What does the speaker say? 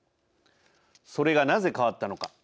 それがなぜ変わったのか。